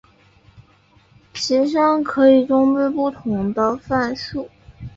其上可以装备不同的范数。